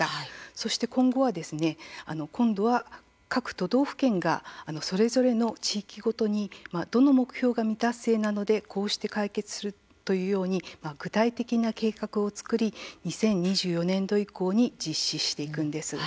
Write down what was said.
そして今後は各都道府県がそれぞれの地域ごとにどの目標が未達成なのでこうして解決するというように具体的な計画を作り２０２４年度以降に実施していくんです。